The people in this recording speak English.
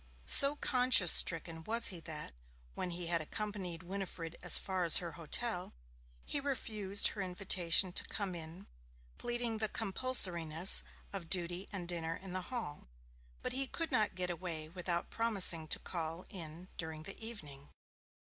So conscience stricken was he that, when he had accompanied Winifred as far as her hotel, he refused her invitation to come in, pleading the compulsoriness of duty and dinner in Hall. But he could not get away without promising to call in during the evening.